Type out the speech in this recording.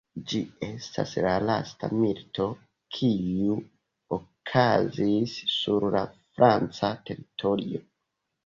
Ĝi estas la lasta milito, kiu okazis sur la franca teritorio.